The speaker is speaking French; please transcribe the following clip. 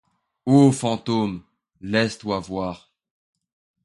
Ô fantôme, laisse-toi voir!